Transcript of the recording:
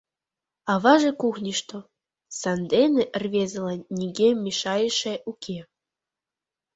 Аваже кухньышто, сандене рвезылан нигӧ мешайыше уке.